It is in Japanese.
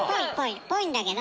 ぽいんだけど。